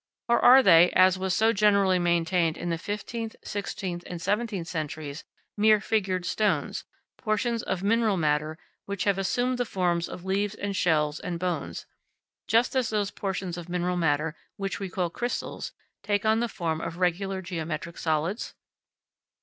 Or are they, as was so generally maintained in the fifteenth, sixteenth, and seventeenth centuries, mere figured stones, portions of mineral matter which have assumed the forms of leaves and shells and bones, just as those portions of mineral matter which we call crystals take on the form of regular geometrical solids?